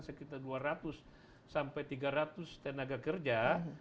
sekitar dua ratus sampai tiga ratus tenaga kerja